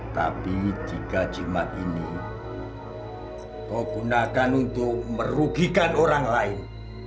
tapi jika jimat ini kau gunakan untuk merugikan orang lain